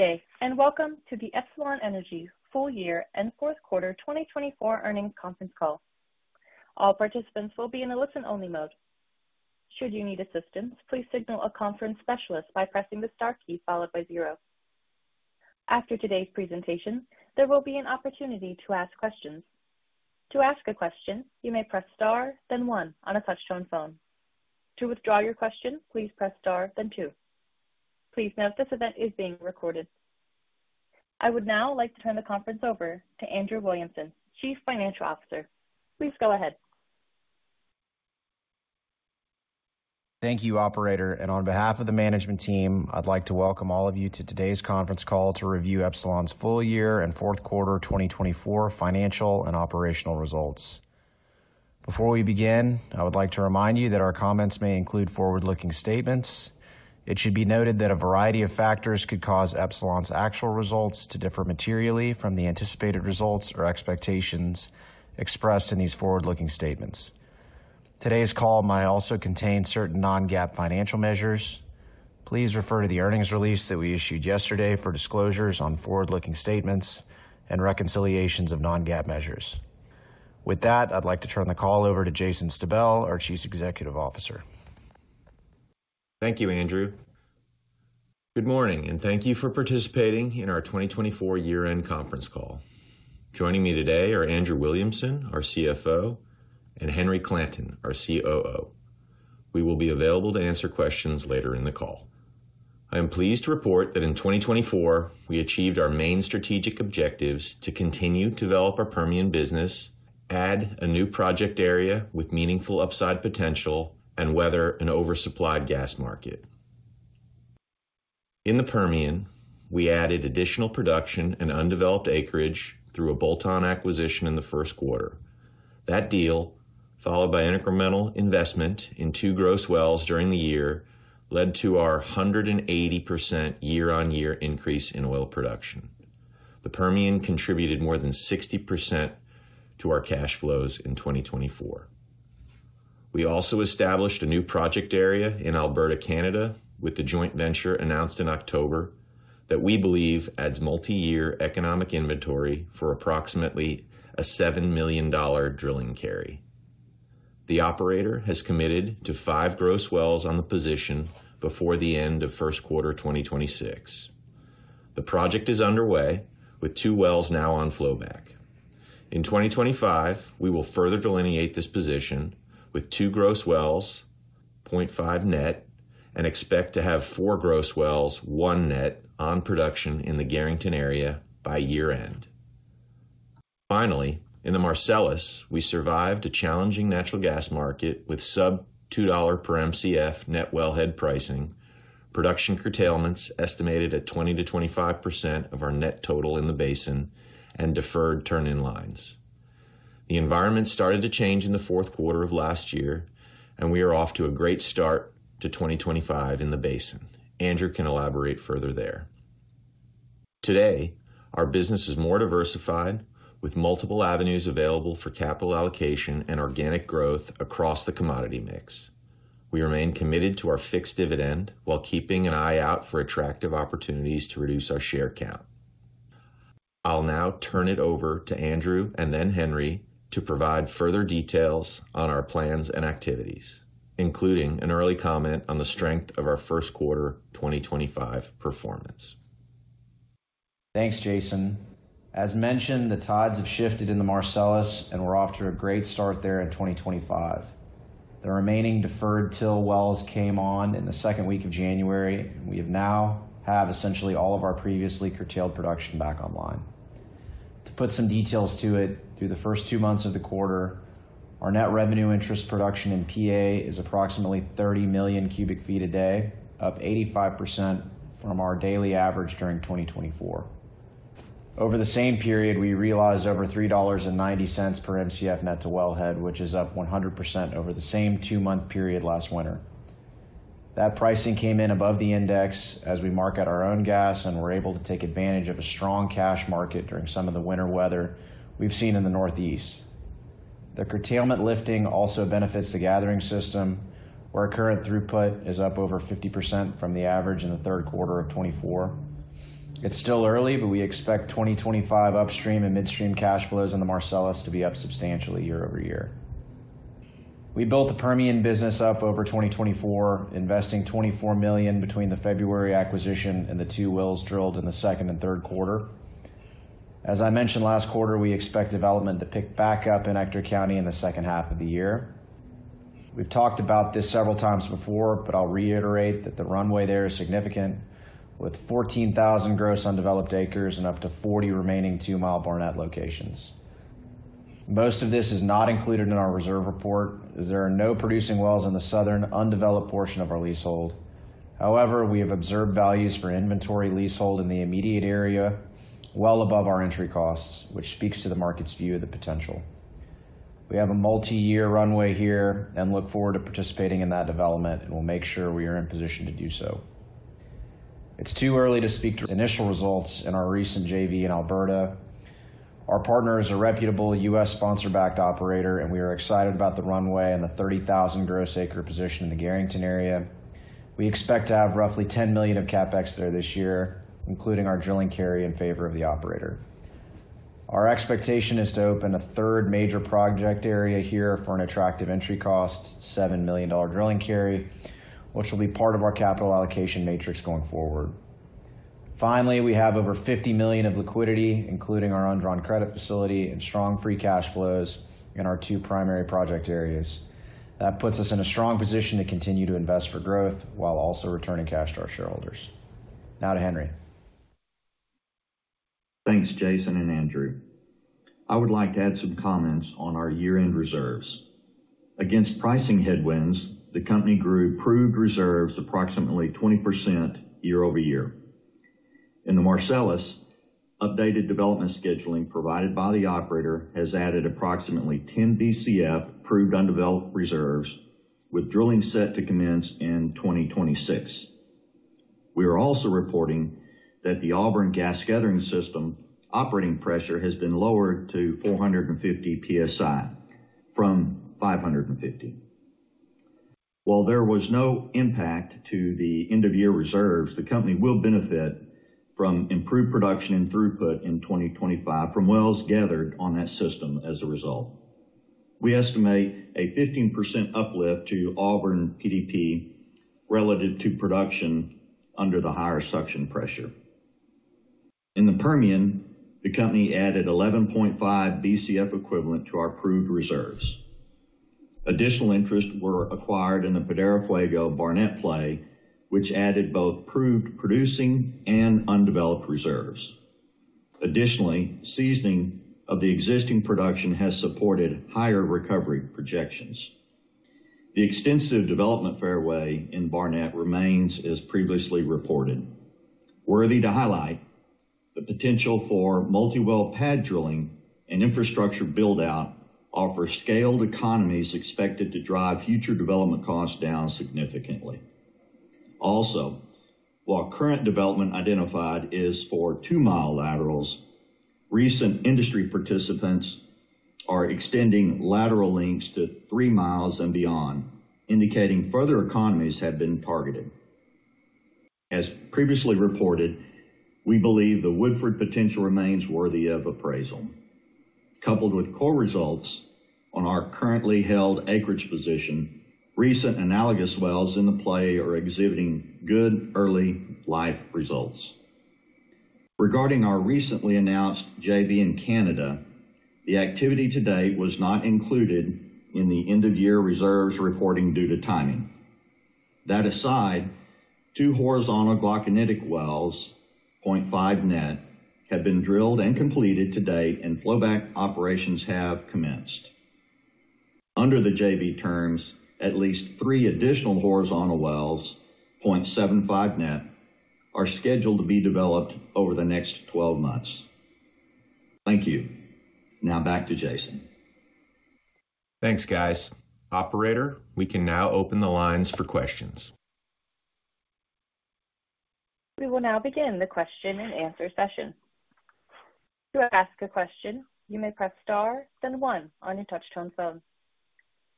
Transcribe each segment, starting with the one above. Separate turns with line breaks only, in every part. Good day, and welcome to the Epsilon Energy full year and fourth quarter 2024 earnings conference call. All participants will be in a listen-only mode. Should you need assistance, please signal a conference specialist by pressing the star key followed by zero. After today's presentation, there will be an opportunity to ask questions. To ask a question, you may press star, then one, on a touch-tone phone. To withdraw your question, please press star, then two. Please note this event is being recorded. I would now like to turn the conference over to Andrew Williamson, Chief Financial Officer. Please go ahead.
Thank you, Operator. On behalf of the management team, I'd like to welcome all of you to today's conference call to review Epsilon's full year and fourth quarter 2024 financial and operational results. Before we begin, I would like to remind you that our comments may include forward-looking statements. It should be noted that a variety of factors could cause Epsilon's actual results to differ materially from the anticipated results or expectations expressed in these forward-looking statements. Today's call may also contain certain non-GAAP financial measures. Please refer to the earnings release that we issued yesterday for disclosures on forward-looking statements and reconciliations of non-GAAP measures. With that, I'd like to turn the call over to Jason Stabell, our Chief Executive Officer.
Thank you, Andrew. Good morning, and thank you for participating in our 2024 year-end conference call. Joining me today are Andrew Williamson, our CFO, and Henry Clanton, our COO. We will be available to answer questions later in the call. I am pleased to report that in 2024, we achieved our main strategic objectives to continue to develop our Permian business, add a new project area with meaningful upside potential, and weather an oversupplied gas market. In the Permian, we added additional production and undeveloped acreage through a bolt-on acquisition in the first quarter. That deal, followed by incremental investment in two gross wells during the year, led to our 180% year-on-year increase in oil production. The Permian contributed more than 60% to our cash flows in 2024. We also established a new project area in Alberta, Canada, with the joint venture announced in October that we believe adds multi-year economic inventory for approximately a $7 million drilling carry. The Operator has committed to five gross wells on the position before the end of first quarter 2026. The project is underway, with two wells now on flowback. In 2025, we will further delineate this position with two gross wells, 0.5 net, and expect to have four gross wells, one net, on production in the Garrington area by year-end. Finally, in the Marcellus, we survived a challenging natural gas market with sub-$2 per MCF net wellhead pricing, production curtailments estimated at 20-25% of our net total in the basin, and deferred turn-in lines. The environment started to change in the fourth quarter of last year, and we are off to a great start to 2025 in the basin. Andrew can elaborate further there. Today, our business is more diversified, with multiple avenues available for capital allocation and organic growth across the commodity mix. We remain committed to our fixed dividend while keeping an eye out for attractive opportunities to reduce our share count. I'll now turn it over to Andrew and then Henry to provide further details on our plans and activities, including an early comment on the strength of our first quarter 2025 performance.
Thanks, Jason. As mentioned, the tides have shifted in the Marcellus, and we're off to a great start there in 2025. The remaining deferred TIL wells came on in the second week of January, and we now have essentially all of our previously curtailed production back online. To put some details to it, through the first two months of the quarter, our net revenue interest production in PA is approximately 30 million cubic feet a day, up 85% from our daily average during 2024. Over the same period, we realized over $3.90 per MCF net to wellhead, which is up 100% over the same two-month period last winter. That pricing came in above the index as we market our own gas and were able to take advantage of a strong cash market during some of the winter weather we've seen in the Northeast. The curtailment lifting also benefits the gathering system, where our current throughput is up over 50% from the average in the third quarter of 2024. It's still early, but we expect 2025 upstream and midstream cash flows in the Marcellus to be up substantially year over year. We built the Permian business up over 2024, investing $24 million between the February acquisition and the two wells drilled in the second and third quarter. As I mentioned last quarter, we expect development to pick back up in Ector County in the second half of the year. We've talked about this several times before, but I'll reiterate that the runway there is significant, with 14,000 gross undeveloped acres and up to 40 remaining two-mile Barnett locations. Most of this is not included in our reserve report, as there are no producing wells in the southern undeveloped portion of our leasehold. However, we have observed values for inventory leasehold in the immediate area well above our entry costs, which speaks to the market's view of the potential. We have a multi-year runway here and look forward to participating in that development, and we'll make sure we are in position to do so. It's too early to speak to initial results in our recent JV in Alberta. Our partner is a reputable U.S. sponsor-backed operator, and we are excited about the runway and the 30,000 gross acre position in the Garrington area. We expect to have roughly $10 million of CapEx there this year, including our drilling carry in favor of the operator. Our expectation is to open a third major project area here for an attractive entry cost, $7 million drilling carry, which will be part of our capital allocation matrix going forward. Finally, we have over $50 million of liquidity, including our undrawn credit facility and strong free cash flows in our two primary project areas. That puts us in a strong position to continue to invest for growth while also returning cash to our shareholders. Now to Henry.
Thanks, Jason and Andrew. I would like to add some comments on our year-end reserves. Against pricing headwinds, the company grew proved reserves approximately 20% year over year. In the Marcellus, updated development scheduling provided by the Operator has added approximately 10 BCF proved undeveloped reserves, with drilling set to commence in 2026. We are also reporting that the Auburn gas gathering system operating pressure has been lowered to 450 PSI from 550. While there was no impact to the end-of-year reserves, the company will benefit from improved production and throughput in 2025 from wells gathered on that system as a result. We estimate a 15% uplift to Auburn PDP relative to production under the higher suction pressure. In the Permian, the company added 11.5 BCF equivalent to our proved reserves. Additional interests were acquired in the Pradera Fuego Barnett play, which added both proved producing and undeveloped reserves. Additionally, seasoning of the existing production has supported higher recovery projections. The extensive development fairway in Barnett remains as previously reported. Worthy to highlight, the potential for multi-well pad drilling and infrastructure build-out offers scaled economies expected to drive future development costs down significantly. Also, while current development identified is for two-mile laterals, recent industry participants are extending lateral lengths to three miles and beyond, indicating further economies have been targeted. As previously reported, we believe the Woodford potential remains worthy of appraisal. Coupled with core results on our currently held acreage position, recent analogous wells in the play are exhibiting good early life results. Regarding our recently announced JV in Canada, the activity to date was not included in the end-of-year reserves reporting due to timing. That aside, two horizontal Glauconitic wells, 0.5 net, have been drilled and completed to date, and flowback operations have commenced. Under the JV terms, at least three additional horizontal wells, 0.75 net, are scheduled to be developed over the next 12 months. Thank you. Now back to Jason.
Thanks, guys. Operator, we can now open the lines for questions.
We will now begin the question-and-answer session. To ask a question, you may press star, then one on your touch-tone phone.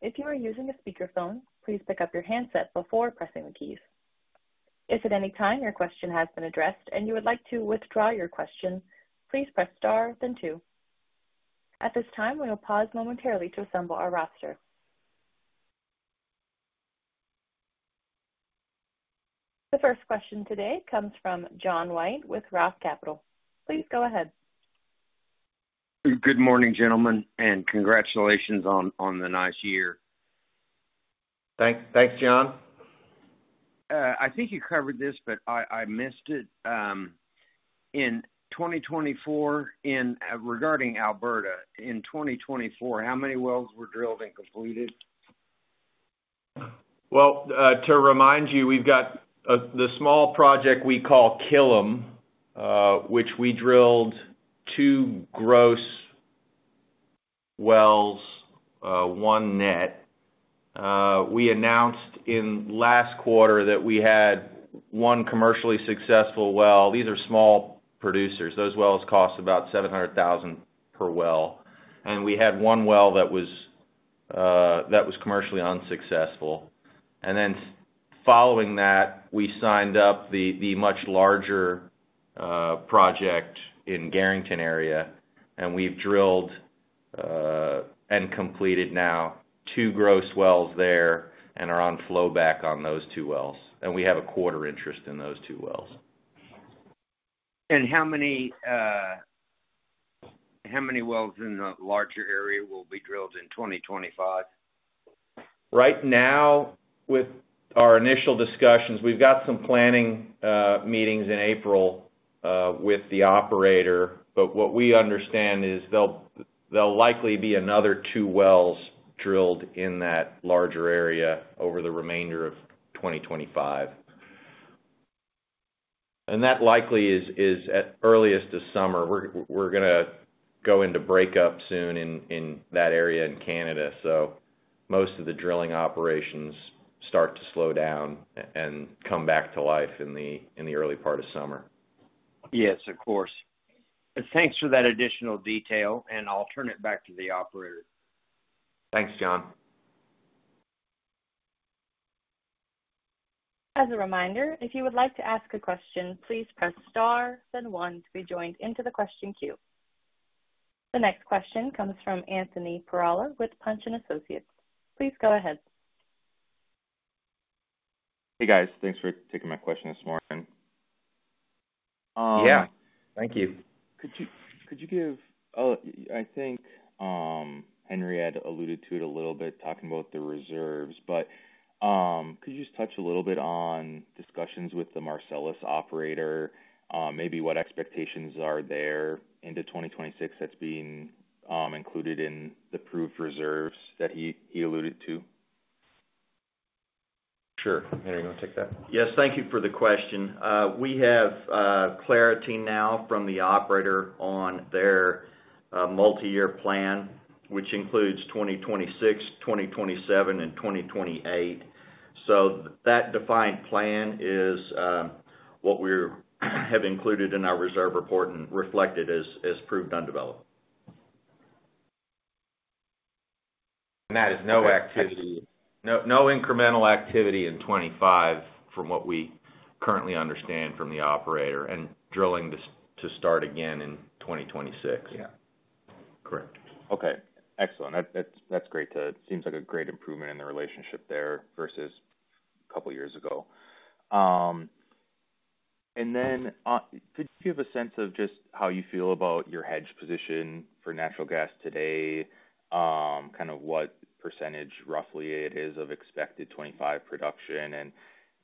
If you are using a speakerphone, please pick up your handset before pressing the keys. If at any time your question has been addressed and you would like to withdraw your question, please press star, then two. At this time, we will pause momentarily to assemble our roster. The first question today comes from John White with ROTH Capital. Please go ahead.
Good morning, gentlemen, and congratulations on the nice year.
Thanks, John.
I think you covered this, but I missed it. In 2024, regarding Alberta, in 2024, how many wells were drilled and completed?
To remind you, we've got the small project we call Killam, which we drilled two gross wells, one net. We announced in last quarter that we had one commercially successful well. These are small producers. Those wells cost about $700,000 per well. We had one well that was commercially unsuccessful. Following that, we signed up the much larger project in the Garrington area, and we've drilled and completed now two gross wells there and are on flowback on those two wells. We have a quarter interest in those two wells.
How many wells in the larger area will be drilled in 2025?
Right now, with our initial discussions, we've got some planning meetings in April with the Operator, but what we understand is there'll likely be another two wells drilled in that larger area over the remainder of 2025. That likely is at earliest this summer. We're going to go into breakup soon in that area in Canada, so most of the drilling operations start to slow down and come back to life in the early part of summer.
Yes, of course. Thanks for that additional detail, and I'll turn it back to the Operator.
Thanks, John.
As a reminder, if you would like to ask a question, please press star, then one to be joined into the question queue. The next question comes from Anthony Perrella with Punch & Associates. Please go ahead.
Hey, guys. Thanks for taking my question this morning.
Yeah. Thank you.
Could you give—I think Henry had alluded to it a little bit talking about the reserves, but could you just touch a little bit on discussions with the Marcellus operator, maybe what expectations are there into 2026 that's being included in the proved reserves that he alluded to?
Sure. Henry, you want to take that?
Yes. Thank you for the question. We have clarity now from the Operator on their multi-year plan, which includes 2026, 2027, and 2028. That defined plan is what we have included in our reserve report and reflected as proved undeveloped.
That is no activity. No incremental activity in 2025 from what we currently understand from the Operator and drilling to start again in 2026.
Yeah. Correct.
Okay. Excellent. That's great. It seems like a great improvement in the relationship there versus a couple of years ago. Could you give a sense of just how you feel about your hedge position for natural gas today, kind of what percentage roughly it is of expected 2025 production, and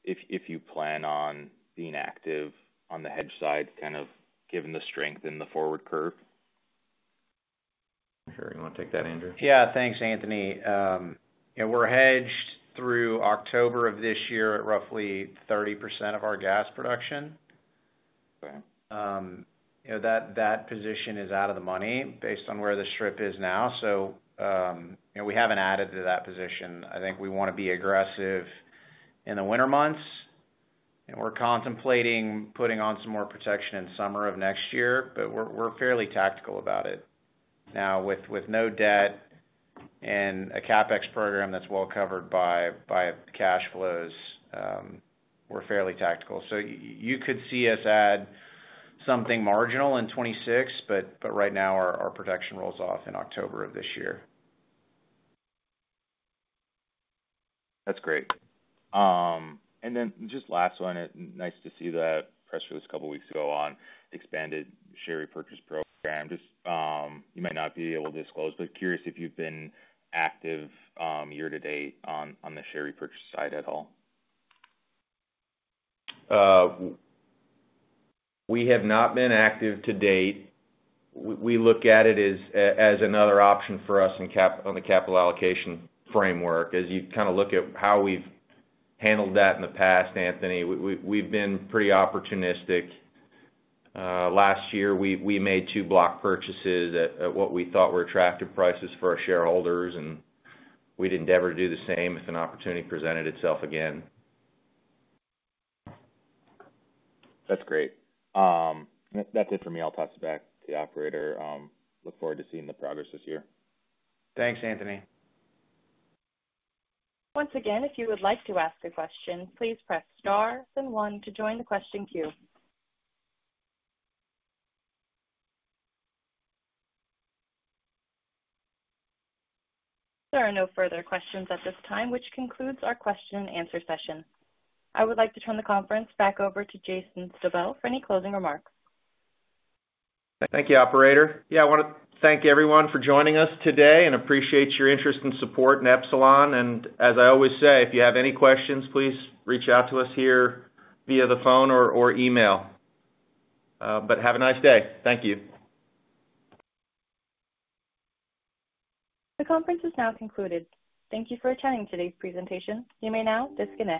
if you plan on being active on the hedge side, kind of given the strength in the forward curve?
Sure, you want to take that, Andrew?
Yeah. Thanks, Anthony. We're hedged through October of this year at roughly 30% of our gas production. That position is out of the money based on where the strip is now. We haven't added to that position. I think we want to be aggressive in the winter months. We're contemplating putting on some more protection in summer of next year, but we're fairly tactical about it now with no debt and a CapEx program that's well covered by cash flows. We're fairly tactical. You could see us add something marginal in 2026, but right now our protection rolls off in October of this year.
That's great. Just last one, nice to see that press release a couple of weeks ago on the expanded share repurchase program. You might not be able to disclose, but curious if you've been active year to date on the share repurchase side at all.
We have not been active to date. We look at it as another option for us on the capital allocation framework. As you kind of look at how we've handled that in the past, Anthony, we've been pretty opportunistic. Last year, we made two block purchases at what we thought were attractive prices for our shareholders, and we'd endeavor to do the same if an opportunity presented itself again.
That's great. That's it for me. I'll toss it back to the Operator. Look forward to seeing the progress this year.
Thanks, Anthony.
Once again, if you would like to ask a question, please press star, then one to join the question queue. There are no further questions at this time, which concludes our question-and-answer session. I would like to turn the conference back over to Jason Stabell for any closing remarks.
Thank you, Operator. Yeah, I want to thank everyone for joining us today and appreciate your interest and support in Epsilon. As I always say, if you have any questions, please reach out to us here via the phone or email. Have a nice day. Thank you.
The conference is now concluded. Thank you for attending today's presentation. You may now disconnect.